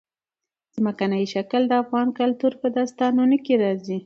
ځمکنی شکل د افغان کلتور په داستانونو کې راځي.